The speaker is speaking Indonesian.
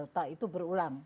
delta itu berulang